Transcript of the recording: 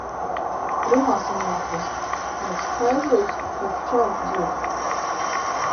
Runāsim latviski! Nevis haizivs, bet čau, zivs!